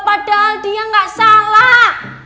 padahal dia gak salah